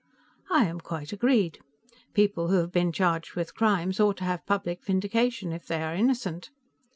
"I am quite agreed. People who have been charged with crimes ought to have public vindication if they are innocent.